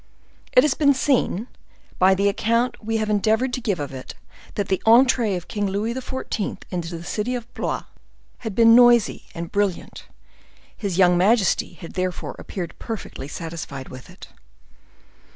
It has been seen, by the account we have endeavored to give of it, that the entree of King Louis XIV. into the city of Blois had been noisy and brilliant; his young majesty had therefore appeared perfectly satisfied with it.